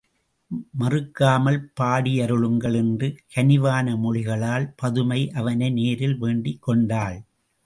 மறுக்காமல் பாடியருளுங்கள் என்று கனிவான மொழிகளால் பதுமை அவனை நேரில் வேண்டிக் கொண்டாள்.